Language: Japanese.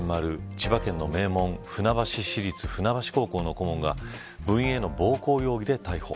千葉県の名門船橋市立船橋高校の顧問が部員への暴行容疑で逮捕。